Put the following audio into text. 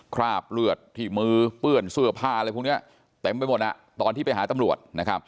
คราบเลือดที่มือเปื้อนเสื้อผ้าอะไรพวกนี้เต็มไปหมดตอนที่ไปหาตำรวจ